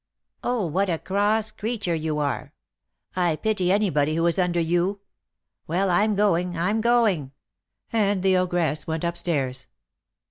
"Oh, what a cross creetur you are! I pity anybody who is under you. Well, I'm going, I'm going;" and the ogress went up stairs.